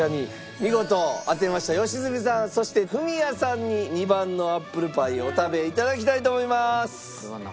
見事当てました良純さんそしてフミヤさんに２番のアップルパイお食べ頂きたいと思います。